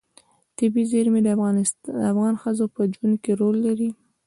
طبیعي زیرمې د افغان ښځو په ژوند کې رول لري.